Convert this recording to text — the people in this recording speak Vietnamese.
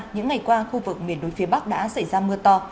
những ngày qua khu vực miền núi phía bắc đã xảy ra mưa to